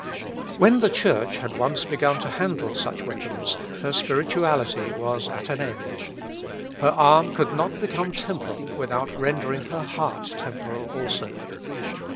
When the Church had once begun to handle such weapons, her spirituality was at an end. Her arm could not become temporal without rendering her heart temporal also.